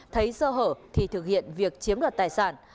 thấy sơ hở thì thực hiện việc chiếm đoạt tài sản